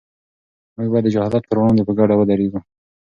موږ باید د جهالت پر وړاندې په ګډه ودرېږو.